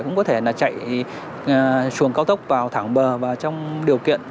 cũng có thể là chạy xuồng cao tốc vào thẳng bờ và trong điều kiện